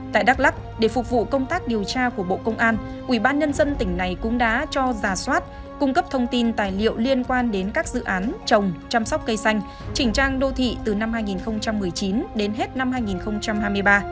tại đắk lắc để phục vụ công tác điều tra của bộ công an ubnd tỉnh này cũng đã cho giả soát cung cấp thông tin tài liệu liên quan đến các dự án trồng chăm sóc cây xanh chỉnh trang đô thị từ năm hai nghìn một mươi chín đến hết năm hai nghìn hai mươi ba